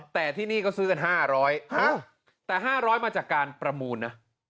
แต่ที่นี่ก็ซื้อกัน๕๐๐แต่๕๐๐มาจากการประมูลนะ